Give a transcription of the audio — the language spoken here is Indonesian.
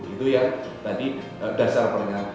itu yang tadi dasar pernyataan